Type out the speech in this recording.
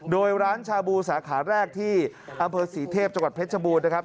โดยร้านชาบูสาขาแรกที่อำเภอศรีเทพจังหวัดเพชรบูรณ์นะครับ